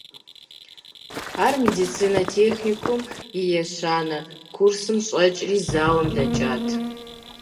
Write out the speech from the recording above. Ар медицинэ техникумым и ещанэ курсым щӏэкӏри, зауэм дэкӏат.